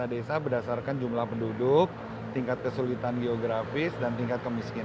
lima desa berdasarkan jumlah penduduk tingkat kesulitan geografis dan tingkat kemiskinan